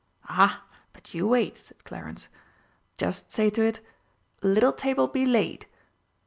"Ah, but you wait," said Clarence. "Just say to it 'Little table, be laid.'"